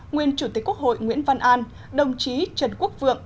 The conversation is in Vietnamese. nguyên chủ tịch quốc hội nguyễn văn an đồng chí trần quốc vượng